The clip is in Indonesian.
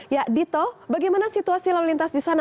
ya dito bagaimana situasi lelintas di sana